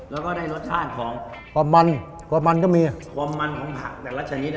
แล้วก็ได้รสชาติของความมันความมันก็มีความมันของผักแต่ละชนิด